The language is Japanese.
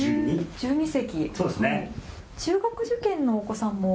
１２席。